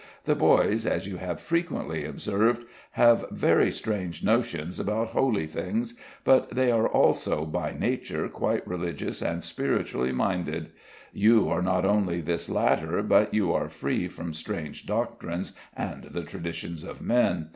The boys, as you have frequently observed, have very strange notions about holy things; but they are also, by nature, quite religious and spiritually minded. You are not only this latter, but you are free from strange doctrines and the traditions of men.